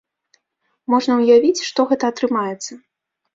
Можна ўявіць, што гэта атрымаецца.